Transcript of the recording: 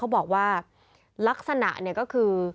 บอกว่าลักษณะเนี่ยก็คือ